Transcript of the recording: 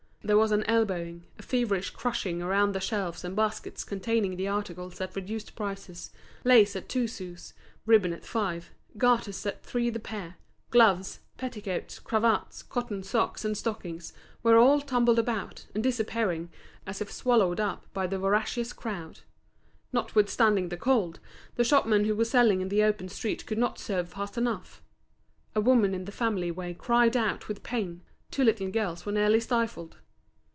There was an elbowing, a feverish crushing around the shelves and baskets containing the articles at reduced prices, lace at two sous, ribbon at five, garters at three the pair, gloves, petticoats, cravats, cotton socks, and stockings, were all tumbled about, and disappearing, as if swallowed up by the voracious crowd. Notwithstanding the cold, the shopmen who were selling in the open street could not serve fast enough. A woman in the family way cried out with pain; two little girls were nearly stifled.